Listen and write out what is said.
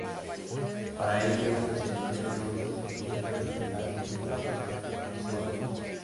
Para ello, se eligieron ocho naturalistas, de los que cuatro eran zoólogos.